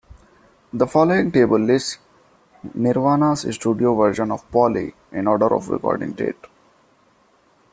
The following table lists Nirvana's studio versions of "Polly" in order of recording date.